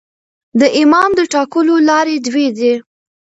د امام د ټاکلو لاري دوې دي.